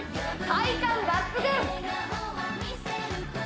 体幹抜群！